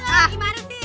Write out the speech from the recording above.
gak lagi marit sih